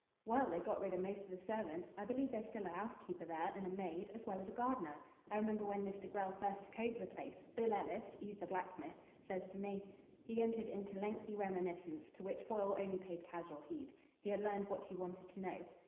"Well, they got rid of most of the servants. I believe there's still a 'ousekeeper there and a maid, as well as a gardener. I remember when Mr. Grell first took over the place, Bill Ellis 'e's the blacksmith ses to me " He entered into lengthy reminiscence, to which Foyle only paid casual heed. He had learned what he wanted to know.